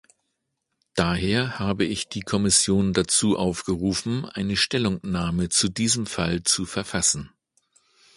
Daher habe ich die Kommission dazu aufgerufen, eine Stellungnahme zu diesem Fall zu verfassen.